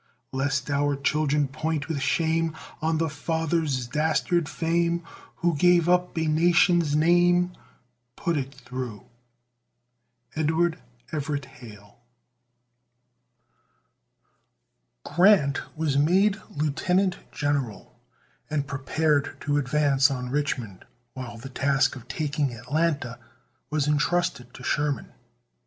Lest our children point with shame On the fathers' dastard fame, Who gave up a nation's name, Put it through! EDWARD EVERETT HALE. Grant was made lieutenant general, and prepared to advance on Richmond, while the task of taking Atlanta was intrusted to Sherman.